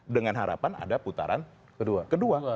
dengan harapan ada putaran kedua